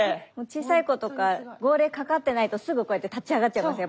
小さい子とか号令かかってないとすぐこうやって立ち上がっちゃいます